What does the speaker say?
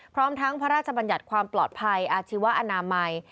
พร้อมทั้งพระราชบัญญัติความปลอดภัยอาชีวอนามัย